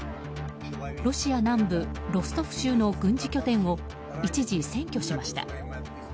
ロシア南部ロストフ州の軍事拠点を一時、占拠しました。